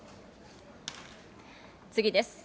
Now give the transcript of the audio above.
次です。